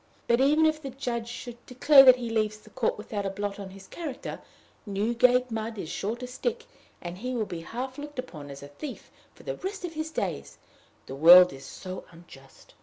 Even if the judge should declare that he leaves the court without a blot on his character, Newgate mud is sure to stick, and he will be half looked upon as a thief for the rest of his days: the world is so unjust.